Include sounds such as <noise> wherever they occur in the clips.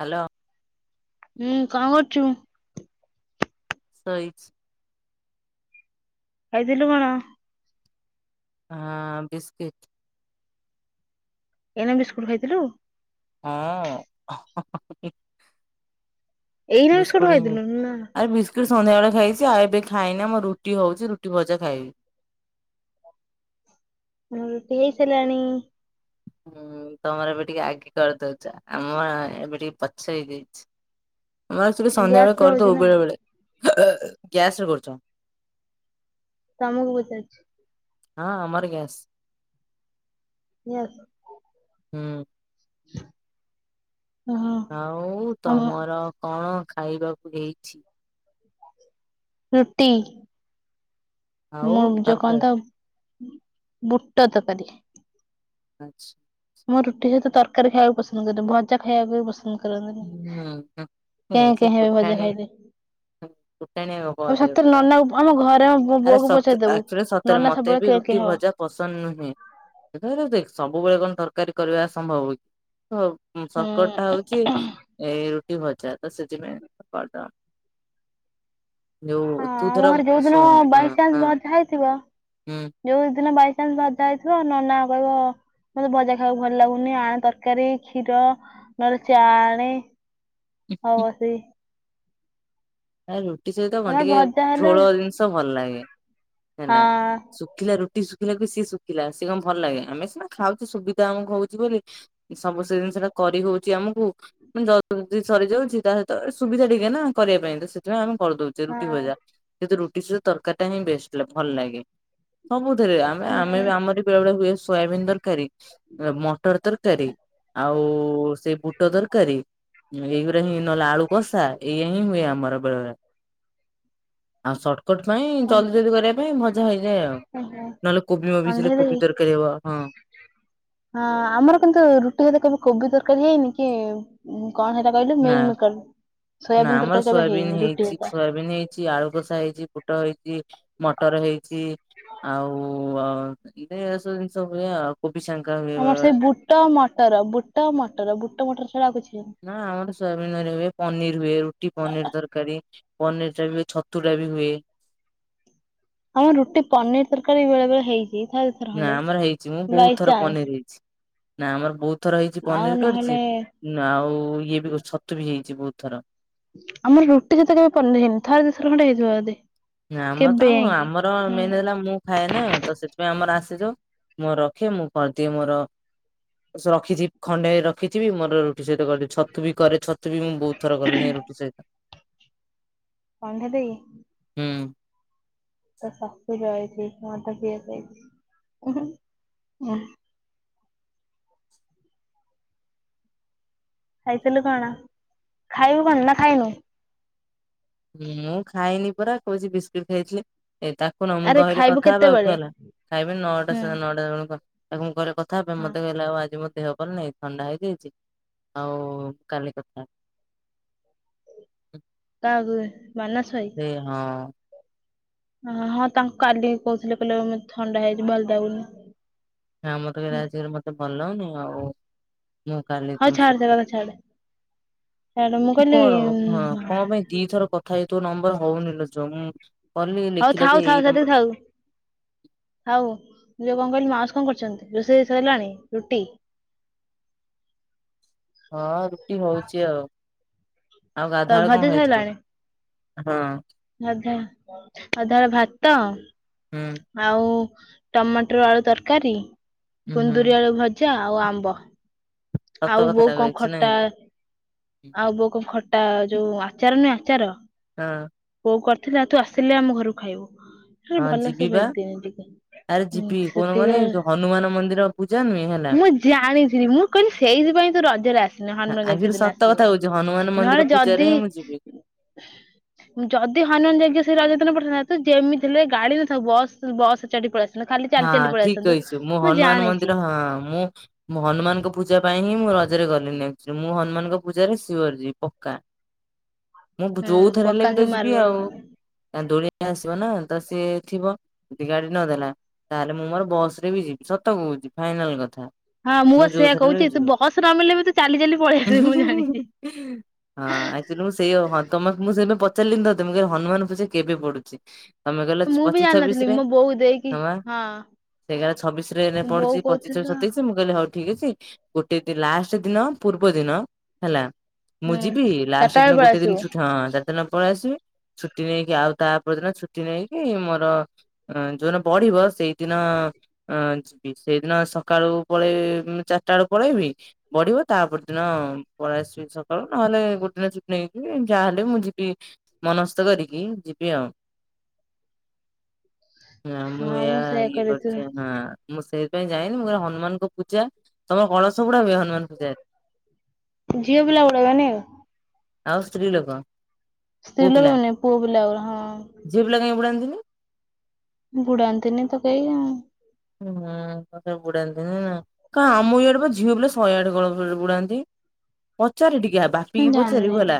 Hello. ହୁଁ କଣ କରୁଛୁ? <unintelligible> ଖାଇଥିଲୁ କଣ? ଆଁ ବିସ୍କିଟ୍। ଏଇନା ବିସ୍କୁଟ ଖାଇଥିଲୁ? ହଁ। ଏଇନା ବିସ୍କୁଟ ଖାଇଥିଲୁ ନା ଆରେ ବିସ୍ ସନ୍ଧ୍ୟାବେଳେ ଖାଇଛି। ଆଉ ଏବେ ଖାଇନି ଆମର ରୁଟି ହଉଛି, ରୁଟି ଭଜା ଖାଇବି। ଆମର ରୁଟି ହେଇ ସାରିଲାଣି। ହୁଁ ତମର ଏବେ ଟିକେ ଆଗେ କରିଦଉଛ। ଆମର ଏବେ ଟିକେ ପଛ ହେଇଯାଇଛି। ଆମର ଆକ୍ଚୁଆଲି ସନ୍ଧ୍ୟା ଗ୍ୟାସ ବେଳେ ଜଳୁଛି କରିଦଉ ନା ବେଳେ ବେଳେ। ଗ୍ୟାସ ରେ କରୁଛ? ତମକୁ ପଚାରୁଛି। ହଁ ଆମର ଗ୍ୟାସ୍। ହୁଁ <unintelligible> ଆଉ ଆମ ତମର କଣ ଖାଇବାକୁ ହେଇଛି? ରୁଟି, ଆଉ ମୋ ଯୋଉ କଣ ତରକାରୀ ତ ବୁଟ ତରକାରୀ। ଆଚ୍ଛା। ମୁଁ ରୁଟି ସହିତ ତରକାରୀ ଖାଇବାକୁ ପସନ୍ଦ କରେ, ଭଜା ଖାଇବାକୁ ବି ପସନ୍ଦ କ ରେ ହୁଁ। ହୁଁ। ଏ ସେ <unintelligible> ଭଜା ଫୁଟାଣିଆ ଖାଇଦିଏ। ଫୁଟାଣିଆ ଗପ ହଁ ବତେଇବ ସତରେ ପରା। ନନାକୁ, ଆମ ଘରେ ମୋ ଆରେ ବୋ-ବୋଉକୁ ସଚ୍ ପଚାରଦବୁ। ଆକ୍ଚୁଆଲି ସତରେ ନନା ମତେ ସବୁବେଳେ ବି କେଁ ରୁଟି କେଁ ହବ। ଭଜା ପସନ୍ଦ ନୁହେଁ। ଯେତେ ହେଲେ ଦେଖ ସବୁବେଳେ କଣ ତରକାରୀ କରିବା ସମ୍ଭବ? ଶର୍ କଟ୍ ଟା ହୁଁ। ହଉଛି ଏଇ ରୁଟି ଭଜା। ତ ସେଥିପାଇଁ କରିଦବ ହଁ ତୁ ଆମ ଧର ଘରେ ଯୋଉ ଦିନ ଶୁଣୁ ହଁ ବାଇଚନ୍ସ ହଁ ଭଜା ହେଇଥିବ ହୁଁ। ଯୋଉ ଦିନ ବାଇଚନ୍ସ ଭଜା ହେଇଥିବ, ନନା କହିବ ମତେ ଭଜା ଖାଇବାକୁ ଭଲ ଲାଗୁନି। ଆଣ ତରକାରୀ, କ୍ଷୀର ନହେଲେ ଚା ଆଣେ। <unintelligible> ରୁଟି ସହିତ କଣ ଆମର ଟିକେ ଭଜା ହେଲେ ଝୋଳ ଜିନିଷ ଭଲ ଲାଗେ ହେଲା। ହଁ ଶୁ ଶୁଖିଲା ରୁଟି ଶୁଖିଲା କୁ ସିଏ ଶୁଖିଲା। ସିଏ କଣ ଭଲ ଲାଗେ ଆମେ ସିନା ଖାଉଚୁ ସୁବିଧା ଆମକୁ ହଉଛି ବୋଲି। ସବୁ ସେ ଜିନିଷ ଟା କରି ହଉଛି ଆମକୁ ମାନେ ଜଲଦି ସରିଯାଉଛି ତା ତ ସୁବିଧା ଟିକେ ନା କରିବା ପାଇଁ। ତ ସେଥିପାଇଁ ଆମେ କରି ଦଉଛେ ରୁଟି ହଁ ଭଜା। କିନ୍ତୁ ରୁଟି ସହିତ ତରକାରୀଟା ହିଁ ବେଷ୍ଟ, ଭଲ ଲାଗେ। ସବୁଥିରେ ଆମେ ହୁଁ ଆମେ ଆମରି ବଳେ ବେଳେ ହୁଏ ସୋୟାବିନ ତରକାରୀ, ମଟର ତରକାରୀ ଆଉ ଆଉ ସେ ବୁଟ ଦରକାରୀ ଏଇ ଗୁଡ଼ା ହିଁ ନହେଲେ ଆଳୁ କଷା ଏଇଆ ହିଁ ହୁଏ ଆମର। ଆଉ ଶର୍ଟକଟ ପାଇଁ ହଁ ଜଲଦି ଜଲଦି କରିବା ପାଇଁ ଭଜା ହେଇଯାଏ ଆଉ। ହୁଁ ନହେଲେ କୋବି ମୋବିି ଥିଲେ କଣ୍ଢେଇ କୋବି ତରକାରୀ ହବ। ହଁ। ନା ଆମର କିନ୍ତୁ ରୁଟି ସହିତ କେବେ କୋବି ତରକାରୀ ହେଇନି କି କଣ ହେଟା କହିଲୁ ନା ମିଲମିକର୍, ନା ସୋୟାବନ୍ ଆମର ତରକାରୀ କେବେ ସୋୟାବିନ୍ ହେଇନି ରୁଟି ହେଇଛି ସହିତ। ସୋୟାବିନ୍ ହେଇଛି ଆଳୁ କଷା ହେଇଛି, ପୋଟଳ ହେଇଛି, ମଟର ହେଇଛି ଆଉ <unintelligible> ଏସବୁ ଜିନିଷ ହୁଏ। କୋବି ଟଙ୍କା ହୁଏ ଆମର ସେଇ ବେଳେବେଳେ। ବୁଟ, ମଟର, ବୁଟ, ମଟର ବୁଟ - ମଟର ଛଡ଼ା ଆଉ କିଛିି ନାହିଁ। ନା ଆମର ସୋୟାବିନ ତରକାରୀ ହୁଏ, ପନିର ହୁଏ ରୁଟି ପନିର ତରକାରୀ। ପନିର ଟା ବି ହୁଏ ଛତୁ ଟା ବି ହୁଏ। ଆମର ରୁଟି ପନିର ତରକାରୀ ବେଳେ ବେଳେ ହେଇଛି। ଥରେ ଥର ନା ଖଣ୍ଡେ। ଆମର ହେଇଛି ମୁଁ ବହୁତ ଥର ପନିର ବାଇଚାନ୍ସ ହେଇଛି। ନା ଆମର ବହୁତ ଥର ହେଇଛି ଆଉ ପନିର ନହେଲେ କରିଛି। ଆଉ ଇଏ ବି ଛତୁ ବି ହେଇଛି ବହୁତ ଥର। ଆମର ରୁଟି ସହିତ କେବେ ପନିର ହେଇନି। ଥରେ ଦି ଥର ଖଣ୍ଡେ ହେଇଥିଲା ବୋଧେ। ଆମର ତ କେବେ ଆଉ ଯାଇକି ଆମର ମେନ୍ ନହେଲେ ହେଲା ମୁଁ ଖାଏନା ତ ସେଥିପାଇଁ ଆମର ଆସେ ଯଉ ମୁଁ ରଖେ ମୁଁ କରିଦିଏ ମୋର ରଖିଛି ଖଣ୍ଡେ ରଖିଥିବ ମୋର ରୁଟି ସହିତ କରିଦେବି ଛତୁ ବି କରେ, ଛତୁ ବି ମୁଁ ବହୁତ ଥର କଲେଣି ରୁଟି ସହିତ? କଣ୍ଢେଇ ଦେଇ। ହୁଁ। ତା ଶଶୁର ଆଇଛି ମାଦ ପିଇବା ପାଇଁ <unintelligible> ଖାଇଥିଲୁ କଣ, ଖାଇବୁ କଣ ନା ଖାଇନୁ? ହୁଁ ମୁଁ ଖାଇନି ପୁରା କହୁଛି ବିସ୍କୁଟ ଖାଇଥିଲି। ଏଇ ତାକୁ ନା ମୁଁ ଆରେ କହିଲି ଖାଇବୁ କଥା ହେବାକୁ କେତେବେଳେ ହେଲା ଖାଇବି ନଅଟା ହୁଁ ସାଢେ ନଅଟା ବେଳକୁ ଆଉ। ତାକୁ ମୁଁ କହିଲି ପରେ କଥାହେବା ପାଇଁ ହଁ ମତେ କହିଲା ଆଜି ମୋ ଦେହ ଭଲ ନାହିଁ। ଥଣ୍ଡା ହେଇଯାଇଛି ଆଉ କାଲି କଥା ହେବା। କାହାକୁ ମାନସ ଭାଇ? ସେ ହଁ। ହଁ ତାଙ୍କୁ କାଲି କହୁଥିଲେ କହିଲେ ଥଣ୍ଡା ହେଇଛି ଭଲ ଲାଗୁନି। ହଁ ମତେ କହିଲେ ଆଜିକାଲି ମତେ ଭଲ ଲାଗୁନି ଆଉ ମୁଁ କାଲି ହଉ ତମ ଛାଡ ସେ ସହିତ କଥା ଛାଡେ ଛାଡ ମୁଁ କହିଲି ଦି ଥର କଥା ହେଇ ତୋ ନମ୍ବର ହଉନି ଲୋ ଝିଅ ଉଁ ହଉ ଥାଉ ଥାଉ ସେତିକି ଥାଉ। ହଉ ଯଉ କଣ କହିଲୁ ମାଉସ କଣ କରୁଛନ୍ତି, ରୋଷେଇ ବାସ ହେଲାଣି ରୁଟି? ହଁ ରୁଟି ହଉଛି ଆଉ। ଆଉ ତ ଗାଧୁଆବେଳେ କଣ ଭଜା ଖାଇଥିଲୁ? ସରିଲାଣି ହଁ ଗାଧୁଆବେଳେ ଭାତ ହୁଁ। ଆଉ ଟମାଟର ଆଳୁ ତରକାରୀ ଉଁ ହୁଁ କୁନ୍ଦୁରି ଆଳୁ ଭ ଭଜା ଆଉ ଆମ୍ବ ସତ ଆଉ କଥାଟା ବୋଉ କଣ କହିଛୁ ନାଇଁ ଖଟା ଆଉ ବୋଉ କଣ ଖଟା ଯୋଉ ଆଚାର ନୁହେଁ ଆଚାର ହଁ। ବୋଉ କରିଥିଲା ତୁ ଆସିଲେ ଆମ ଘରକୁ ଖାଇବୁ। ସେ ହଁ ଭଲ ଯିବି ସେ ବା ଭେଦିନି ଟିକେ। ଆରେ ହଁ ଯିବି କଣ କହନି ସେତିକିବେଳେ ଯୋଉ ହନୁମାନ ମନ୍ଦିର ପୂଜା ନୁହେଁ ହେଲା ମୁଁ ଜାଣିଥିଲି ମୁଁ କହିଲି ସେଇଥିପାଇଁ ତୁ ରଜରେ ଆସିନି ହନୁମାନ ଆଖିରୁ ଯଜ୍ଞ ଦିନ ସତ ଆସିବୁ କଥା ବୋଲି, କହୁଛି ହନୁମାନ ମନ୍ଦିର ନହେଲେ ପୂଜାରେ ଯଦି ହିଁ ମୁଁ ଯିବି। ଯଦି ହନୁମାନ ଯଜ୍ଞ ସେଇ ରଜ ଦିନ ପଡିଥାନ୍ତି ତୁ ଯେମିତି ହେଲେ ଗାଡି ନଥାଉ ବସ୍ ବସ୍ ଚଢ଼ି ପଳେଇ ଆସିଥାନ୍ତୁ ଖାଲି ହଁ ଚାଲି ଚାଲି ପଳେଇ ଠିକ ଆସିଥାନ୍ତୁ କହିଛୁ ମୁଁ ହନୁମାନ ଜାଣିଛି ମନ୍ଦିର ହଁ ମୁଁ ମୁଁ ହନୁମାନଙ୍କ ପୂଜା ପାଇଁ ହିଁ ମୁଁ ରଜରେ ଗଲିନି, ମୁଁ ହନୁମାନଙ୍କ ପୂଜାରେ ସିଅର ଯିବି ପକ୍କା। ମୁଁ ହୁଁ ଯୋଉଥରେ ହେଲେ ପକ୍କା ବି ତ କି ଯିବି ମାର୍ବଲ ଆଉ। ତାଙ୍କ ଦୋଳି ଆସିବ ନା ତ ସିଏ ଥିବ ଯଦି ଗାଡି ନଦେଲା ତାହେଲେ ମୁଁ ମୋର ବସ ରେ ବି ଯିବି ସତ ହହୁଛି ଫାଇନାଲ କଥା। ହଁ ମୁଁ ବା ସେୟଆ ଯୋଉଥରେ ହେଲେ କହୁଛି ତୁ ଯିବି। ବସ ନମିଳିଲେ ବି ତୁ ଚାଲି ଚାଲି ପଳେଇ ଆସିବୁ ମୁଁ ଜାଣିଛି। ଉଁ। ହଁ ଆକଚୁଆଲି ମୁଁ ସେଇଆ ହଁ ତମକୁ ମୁଁ ସେ ପଚାରିଲିନି ତତେ ମୁଁ କହିଲ ହନୁମାନ ପୂଜା କେବେ ପଡୁଛି। ମାମା କହିଲେ ମୁଁ ବି ପଚିଶ ଛବିଶ ଜାଣିନଥିଲି ରେ ମୋ ବୋଉ ଦେଇକି ମାମା। ହଁ ଦେଖିଲା ବେଳକୁ ଛବିଶରେ ଏଇନା ବୋଉ ପଡୁଛି ପଚିଶି ଛବିଶି କହୁଥିଲା ସତେଇଶି ମୁଁ ମୁଁ କହିଲି ହଉ ଠିକ ଅଛି ଗୋଟେ ଲାଷ୍ଟ ଦିନ ପୂର୍ବ ଦିନ ହେଲା ମୁଁ ହୁଁ ଯିବି ଚାରିଟା ଲାଷ୍ଟ ବେଳେ ଦିନ ପଳେଇ ଗୋଟେ ଦିନ ଆସିବୁ ଛୁଟି ହଁ ଚାରି ଦିନ ପଳେଇ ଆସିବି। ଛୁଟି ନେଇକି ଆଉ ତା ପରଦିନ ଛୁଟି ନେଇକି ମୋର ଯୋଉ ଦିନ ବଢିବ ସେଇଦିନ ଅଁ ଯିବି ସେଇଦିନ ସକାଳୁ ପଳେଇ ଚାରିଟା ବେଳୁ ପଳେଇବି ବଢିବ ତାପରେ ଦିନ ପଳେଇ ଆସିବି ସକାଳୁ ନହେଲେ ଗୋଟେ ଦିନ ଚୁଟିନେଇକି ଯିବି ଯାହାହେଲେ ମୁଁ ଯିବି‌। ମନସ୍ତ କରିକି ଯିବି ଆଉ। ହଁ ମୁଁ ସେଇଆ ଇ କହିଲି ତୁ ପାରୁଛେ ଆମେ ହଁ ମୁଁ ସେଇଥିାଇଁ ଯାଇନି ମୁଁ କହିଲେ ହନୁମାନଙ୍କ ପୂଜା ତମର କଳସ ବୁଡାଅ କି ହନୁମାନ ପୂଜାରେ? ଝିଅ ପିଲା ବୁଡେଇବେନି ଆଉ ସ୍ତ୍ରୀ ଲୋକ। ସ୍ତ୍ରୀ ପୁଅ ଲୋକ ପିଲା ମାନେ ପୁଅ ପିଲା। ହଁ! ଝିଅ ପିଲା କାହିଁ ବୁଡାନ୍ତିିନି? ବୁଡାନ୍ତିନି ତ କେହି ଆଉ। ହୁଁ ବୁଡାନ୍ତିନି ଆଉ। କାହିଁ ଆମର ଇଆଡେ ବା ଝିଅ ପିଲା ଶହେ ଆଠ କଳସ ବୁଡାନ୍ତି। ପଚାର ଟିକେ ବା ପିିକି ମୁଁ ପଚାରିବୁ ଜାଣିନି। ହେଲା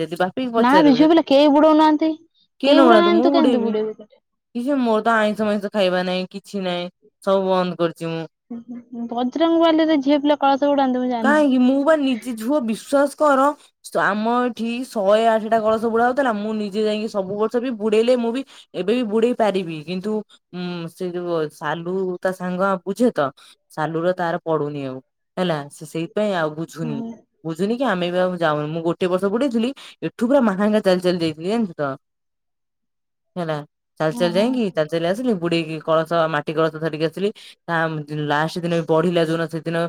ଯଦି ବାପି କି ନା ବେ ପଚାରିବୁ ଝିଅ ଯଦି ପିଲା କେହି ବୁଡଉନାହାନ୍ତି। କିଏ କେହି ନ ବୁଡାନ୍ତୁ ବୁଡଉନାହାନ୍ତି ମୁ ତୁ କେମିତି ବୁଡେଇବି। ବୁଡେଇବୁ ତତେ। କିଛି ମୋର ତ ଆଇଁଷ ମଇଁଷ ଖାଇବା ନାହିଁ କିଛି ନାହିଁ ସବୁ ବନ୍ଦ କରିୁଛି ମୁଁ ଭଦ୍ରକ ବାଲେଶ୍ଵର ଝିଅ ପିଲା କଳସ ବୁଡାନ୍ତିୁ ମୁଁ ଜାଣିନି। କାହିଁକି ମୁଁ ବା ନି କି ଝୁଅ ବିଶ୍ଵାସ କର ଆମ ଏଠି ଶହେ ଆଠଟା କଳସ ବୁଡା ହେଉଥିଲା ମୁଁ ନିଜେ ଯାଇକି ସବୁ ବର୍ଷ ବି ବୁଡେଇଲେ ମୁଁ ବି ଏବେ ବି ବୁଡେଇ ପାରିବି କିନ୍ତୁ ଉଁ ସେ ଯୋଉ ସାଲୁ ତା ସାଙ୍ଗ ବୁଝେ ତ ସାଲୁର ତାର ପଡୁନି ଆଉ ହେଲା ସେ ସେଇପାଇଁ ଆଉ ବୁଝୁନି। ହୁଁ ବୁଝୁନି କି ଆମେ ବି ଆଉ ଯାଉନୁ ମୁଁ ଗୋଟେ ବର୍ଷ ବୁଡେଇଥିଲି ଏଠୁ ପୁରା ମହାଙ୍ଗା ଚାଲି ଚାଲି ଯାଇଥିଲି ଯାଣିଛୁ ତ ହେଲା ଚାଲି ଚାଲି ଓହୋ ଯାଇକି ଚାଲି ଚାଲି ଆସିଲି ବୁଡେଇକି କଳସ ମାଟି କଳସ ଧରିକି ଆସିଲି। <unintelligible> ଲାଷ୍ଟ ଦିନ ବଢିଲା ଯେଉଁ ସେଦିନ।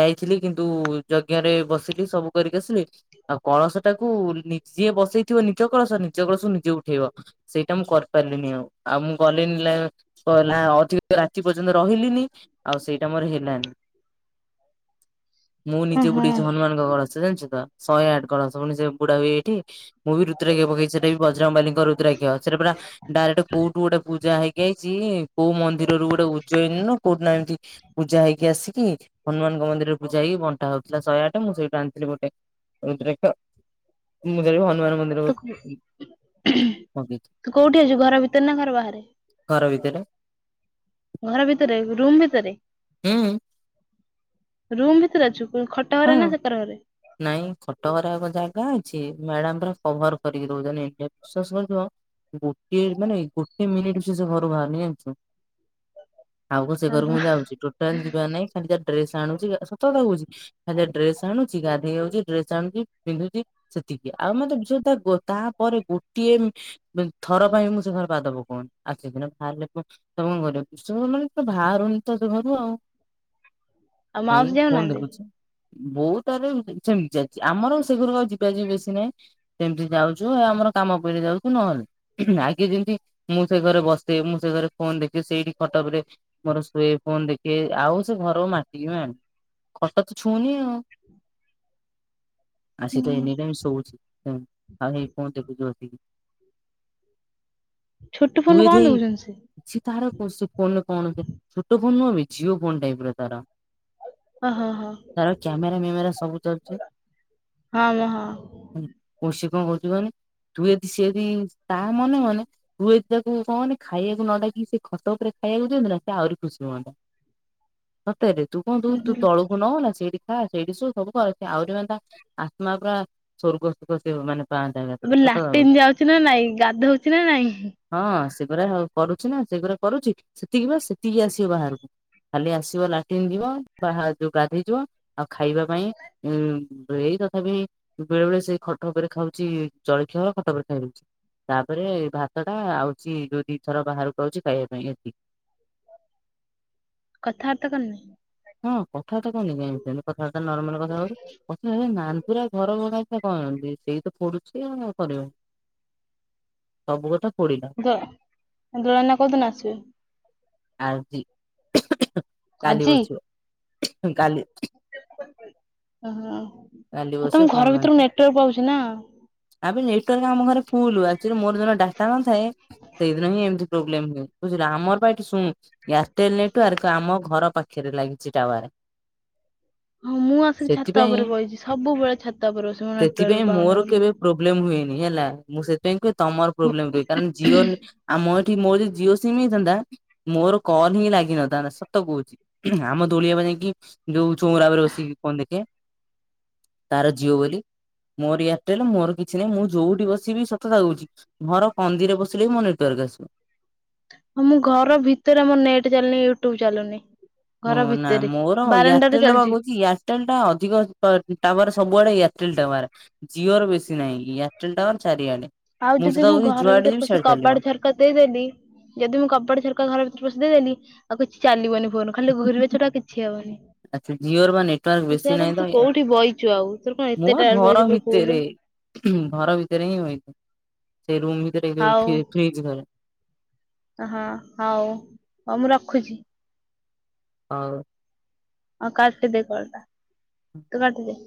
ଯାଇଥିଲି କିନ୍ତୁ ଯଜ୍ଞ ରେ ବସିଲି ସବୁ କରିକି ଆସିଲି। ଆଉ କଳସ ଟାକୁ ନିଜେ ବସେଇଥିବ ନିଜ କଳସ ନିଜ କଳସକୁ ନିଜେ ଉଠେଇବ। ସେଇଟା ମୁଁ କରିପାରିଲିନି ଆଉ। ଆଉ ମୁଁ ଗଲିଣିି <unintelligible> <unintelligible> ରାତି ପର୍ଯ୍ୟନ୍ତ ରହିଲିନି ଆଉ ସେଇଟା ମୋର ହେଲାନି। ମୁଁ ହଁ ନିଜେ ହଁ ବୁଢେଇଛି ହନୁମାନଙ୍କ କଳସ ଜାଣିଛୁତ। ଶହେ ଆଠ କଳସ ପୁଣି ସେ ବୁଡା ହୁଏ ଏଇଠି। ମୁଁ ବି ରୁଦ୍ରାକ୍ଷ ପକେଇଛି ସେଟା ବି ବଜରଙ୍ଗବାଲିଙ୍କ ରୁଦାକ୍ଷ ସେଟା ପୁରା ଡାଇରେକ୍ଟ କୋଉଠୁ ଗୋଟେ ପୂଜା ହେଇକି ଆଇଛି କୋଉ ମନ୍ଦିର ଗୋଟେ ଉଜୟନ ନା କୋଉଠି ଏମିତି ପୂଜା ହେଇକି ଆସିକି ହନୁମାନ ମନ୍ଦିରରେ ପୁଜା ହେଇକି ବଣ୍ଟା ହେଉଥିଲା ଶହେ ଆଠ ମୁଁ ସେଇଠୁ ଆଣିଥିଲି ଗୋଟେ। ରୁଦ୍ରାକ୍ଷ। ମୁ ଯାଇ ହନୁମାନ ମନ୍ଦିରକୁ ତୁ ପକେଇଛି ତୁ କୋଉଠି ଅଛୁ ଘର ଭିତରେ ନା ଘର ବାହାରେ? ଘର ଭିତରେ। ଘର ଭିତରେ ରୁମ୍ ଭିତରେ? ହୁଁ! ରୁମ୍ ଭିତରେ ଅଛୁକି। ଖଟ ଘରେ ହଁ। ନା ସେକର ଘରେ? ନାଇଁ ଖଟରେ ଆଉ କଣ ଜାଗା ଅଛି ମ୍ୟାଡାମ ପୁରା କଭର କରିକି ରହୁଛନ୍ତି। <unintelligible> ଇଏ ମାନେ ଗୋଟେ ମାନେ ଗୋଟେ ମିନିଟ ସେ ସେଘରୁ ବାହାରନି ଜାଣିଛ। ଆଉ କଣ ସେ ହଁ ଘରକୁ ହଁ ମୁଁ ଯାଉଛି ଟୋଟାଲି ଯିବାର ନାହିଁ ଖାଲି ଯାହା ଡ୍ରେସ ଆଣୁଛି ସତ କଥା କହୁଛି ଖା୍ଲି ଯାହା ଡ୍ରେସ ଆଣୁଛି ଗାଧେଇ ଯାଉଛି ଡ୍ରେସ ଆଣୁଛି ପିନ୍ଧୁଛି ସେତିକି ଆଉ ମତେ ତାପରେ ଗୋଟିଏ ଥର ପାଇଁ ମୁଁ ସେ ଘରେ ପାଦ ପକଉନି। ଆସିକିନା ବାହାରିଲେ ତମେ କଣ କରିବ ବାହାରୁନି ତ ସେ ଘରୁ ଆଉ। ଆଉ ଏଇ ମାଉସୀ ଫୋନ ଯାଉନାହାନ୍ତି? ଦେଖୁଛି। ବୋଉ ତାର ସେମିତି ଯାଇଛି ଆମର ସେ ଘରୁକୁ ଆଉ ଯିବା ଯିବି ବେଶି ନାହିଁ। ସେମିତି ଯାଉଛୁ ଆମର କାମ ପଇଲେ ଯାଉଛୁ ନହେଲେ ଆଗେ ଯେମିତି ମୁଁ ସେ ଘରେ ବସେ ମୁଁ ସେ ଘରେ ଫୋନ୍ ଦେଖେ ସେଇଠି ଖଟ ଉପରେ ମୋର ଶୋଏ ଫୋନ୍ ଦେଖେ ଆଉ ସେ ଘର ମାଟିକି ବି ମାଡୁ ଆ ସେତ ଏନି ଟାଇମ୍ ଶୋଉଚି। <inaudible> ଛୋଟ ତୁ ଫୋନ୍ ରୁ କ'ଣ ଏଠି ଦେଖୁଚନ୍ତି ସେ? <inaudible> <inaudible> ତା'ର କ୍ୟାମେରା ମ୍ୟାମେରା ସବୁ ଚା--ଚି। <inaudible> ହଁ ମ ହଁ। ତୁ ଦି ତାକୁ କହନି ଖାଇବାକୁ ନ ଡ଼ାକି, ସେ ଖଟ ଉପରେ ଖାଇବାକୁ ଦିଅନ୍ତୁ ନା। ସେ ଆହୁରି ଖୁସି ହୁଅନ୍ତା। ସତରେ ତୁ କୁହନ୍ତୁ ହୁଁ ତୁ ହୁଁ <inaudible> <inaudible> ଏକାଥରେ ଆବେ ସତ କଥା କହୁଛି। ଲାଟିନ୍ ଯାଉଚି ନା ନାଇଁ, ଗାଧଉଚି ନା ନାଇଁ? ହଁ, ସେଗୁରା କରୁଚି ନା ସେଗୁୁରା କରୁଚି। ସେତିକି ବା ସେତିକି ଆସିବ ବାହାରୁକୁ। ଖାଲି ଆସିବ ଲାଟିନ୍ ଯିବ, ହା ଯଉ ଗାଧେଇ ଯିବ। ଆଉ ଖାଇବା ପାଇଁ ଉଁ, ବ୍ରେଇ ତଥାବି ବେଳେ ବେଳେ ସେଇ ଖଟ ଉପେରେ ଖାଉଚି, ଜଳିଖିଆ ଖଟ ଉପରେ ଖାଇ ଦଉଚି। ତା'ପରେ ଭାତ ଟା ଆଉଚି, ଦି ଥର ବାହାରକୁ ଆଉଚି ଖାଇବା ପାଇଁ। ଏତି କଥାବାର୍ତ୍ତା କ--ନି। ହଁ, କଥାବାର୍ତ୍ତା କରୁନି କାଇଁ କଥାବାର୍ତ୍ତା ନର୍ମାଲ୍ କଥା ହଉଚି। କଥା <inaudible> <inaudible> ଆଜି <inaudible> , କାଲି ଆଉ ତମ ବସିବ ଘର ମନ ଭିତରକୁ ନେଟ୍ୱାର୍କ ପାଉଚି ନା। ଆବେ ନେଟ୍ ୱାର୍କ ଆମ ଘରେ ଫୁଲୁ, ଆକ୍ଚୋଲି ମୋର ଯ ଦିନ ଡ଼ାଟା ନଥାଏ। ସେଇ ଦିନ ହିଁ ଏମ୍ତି ପ୍ରୋବ୍ଲେମ୍ ହୁଏ, ବୁଝିଲୁ? ଆମର୍ ପା ଏଠି ୟାର୍ଟେଲ୍ ନେଟ୍ ୱାର୍କ ଆମ ଘର ପାଖେରେ ଲାଗିଚି ଟାୱାରେ। ହଁ, ମୁଁ ଆସିକି ଛାତ ଉପରେ ବଇଚି। ସବୁବେଳେ ଛାତ ଉପରେ ବସିବୁ, ନେଟ୍ ୱାର୍କ ପାଉନି ବୋଲି। ପ୍ରୋବ୍ଲେମ୍ ହୁଏନି ହେଲା, ମୁଁ ସେ---ପାଇଁ କୁହେ ତମର୍ ପ୍ରୋବ୍ଲେମ୍ ରୁହେ। କାର ଜିଓନ୍‌, ଆମ ଏଠି ମ------ଜିଓ ସିମ୍ ହେଇଥାନ୍ତା। ମୋର କଲ୍ ହିଁ ଲାଗି ନଥାନ୍ତା, ସତ କହୁଚି। ଆମ ଦୋଳିିଆବା ଯାଇକି, ଯଉ ଚ--ରା ଉପରେ ବସିକି ଫୋନ୍‌ ଦେଖେ। ତା'ର ଜିଓ ବୋଲି, ମୋର ୟାର୍ଟେଲ୍‌ ମୋର୍। କିଛି ନାହିଁ, ମୁଁ ଯଉଠି ବସିବି ସତକଥା କହୁଚି। ଘର କନ୍ଦିରେ ବସିଲେ ବି ନେଟ୍ ୱାର୍କ ଆସିବ। ହଁ, ମୁଁ ଘର ଭିତରେ ମ ନେଟେ ଚାଲୁନି, ୟୁଟ୍ୟୁବ୍‌ ଚାଲୁନି। ଘର ନା ଭିତରେ ମୋର ବାରଣ୍ଡାରେ ୟାର୍ଟେଲ୍ ବା ଚାଲିଚି କ--ଚି ୟାର୍ ଟେଲ୍ ଟା ଅଧିକ-----ଟାୱାର୍ ସବୁଆଡ଼େ, ୟାର୍ଟେଲ୍ ଟାୱାର୍। ଜିଓର ବେଶି ନାଇଁ, ୟାର୍ଟେଲ୍ ଟାୱାର୍ ଚାରି ଆଡ଼େ। ଆଉ ଯଦି ମୁଁ ଘର ଭିତରେ ପସିି, କବାଟ୍ ଝର୍ କା ଦେଇ ଦେଲି, ଯେଦି ମୁଁ କବାଟ୍, ଝର୍କା ଘର ଭିତରେ ପ ଦେଇ ଦେଲି, ଆଉ କିଛି ଚାଲିବନି ଫୋନ। ଖାଲି ଘୁରିବା ଛଡ଼ା କିଛି ହେବନି। ଆଚ୍ଛା ଜିଓର ବା ନେଟୱାର୍କ ମୁଁ ବେଶୀ ସେୟା ନାହିଁ କହୁଚି, ତ ତୁ କଉଠି ବଇଚୁ ଆଉ ତୋର କ'ଣ ମୁଁ ଏତେ ବା ଟାୱାର୍ ଘର ପାଉଚି ପୁରା ଫୁଲୁ? ଭିତରେ ଘର ଭିତରେ ହିଁ, ସେଇ ରୁମ୍ ଭିତରେ ଯଉ ହଉ ଫ୍ରି ଫ୍ରିଜି ହଁ ହଉ, ହଉ ମୁଁ ରଖୁଚି। <inaudible> କାଟି ଦେ କଲ୍ ଟା, ତୁ କାଟି ଦେ।